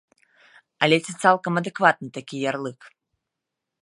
Але ці цалкам адэкватны такі ярлык?